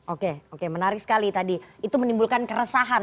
oke oke menarik sekali tadi itu menimbulkan keresahan